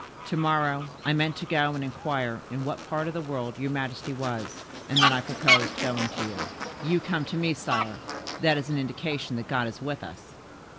To morrow I meant to go and inquire in what part of the world your majesty was, and then I purposed going to you. You come to me, sire; that is an indication that God is with us."